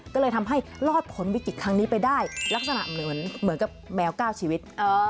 ก็เลยทำให้รอดผลวิกฤตครั้งนี้ไปได้ลักษณะเหมือนกับแมว๙ชีวิต